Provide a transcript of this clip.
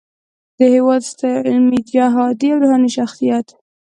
د هیواد ستر علمي، جهادي او روحاني شخصیت